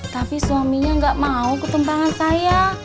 tapi suaminya gak mau ketumpangan saya